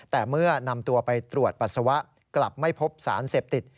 แต่เมื่อนำตัวไปตรวจปัสสาวะกลับไม่พบสารเสพติด